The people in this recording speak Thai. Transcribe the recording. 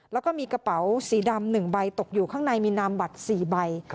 แล้วก็มีกระเป๋าสีดำ๑ใบตกอยู่ข้างในมีนามบัตร๔ใบ